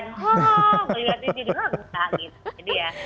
oh ngeliat disini wah gila